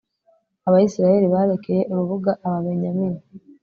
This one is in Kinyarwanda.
abayisraheli barekeye urubuga ababenyamini